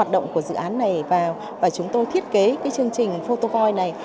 động của dự án này và chúng tôi thiết kế cái chương trình photovoy này